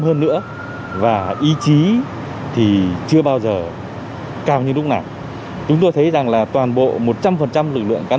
hơn nữa và ý chí thì chưa bao giờ cao như lúc nào chúng tôi thấy rằng là toàn bộ một trăm linh lực lượng cán